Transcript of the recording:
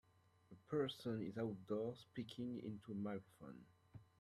A person is outdoors speaking into a microphone.